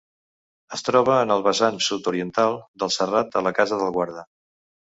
Es troba en el vessant sud-oriental del Serrat de la Casa del Guarda.